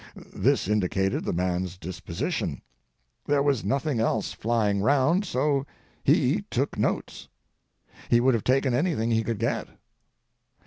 This indicated the man's disposition. There was nothing else flying round, so he took notes; he would have taken anything he could get.